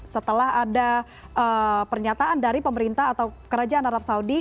setelah ada pernyataan dari pemerintah atau kerajaan arab saudi